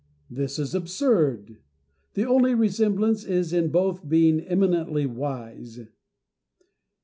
This is absurd. The only resemblance is in both being eminently wise.